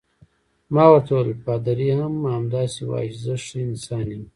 ما ورته وویل: پادري هم همداسې وایي چې زه ښه انسان یم.